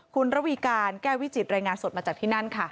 คุณระวีการแก้วิจิตรายงานสดมาจากที่นั่นค่ะ